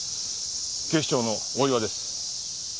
警視庁の大岩です。